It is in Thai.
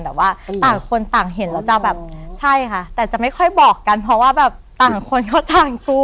แต่ว่าต่างคนต่างเห็นแล้วจะแบบใช่ค่ะแต่จะไม่ค่อยบอกกันเพราะว่าแบบต่างคนก็ต่างสู้